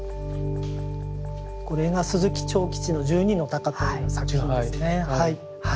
これが鈴木長吉の「十二の鷹」という作品ですね。